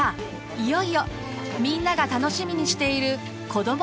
いよいよみんなが楽しみにしているこども